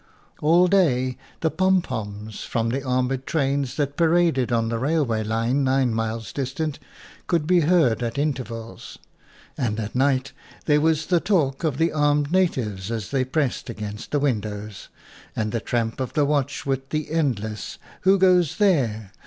All day the pom poms from the armored trains that paraded on the railway line nine miles distant could be heard at intervals; and at night there was the talk of the armed natives as they pressed against the win dows, and the tramp of the watch with the endless "Who goes there?"